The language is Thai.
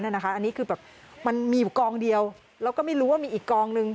อันนี้คือแบบมันมีอยู่กองเดียวแล้วก็ไม่รู้ว่ามีอีกกองนึง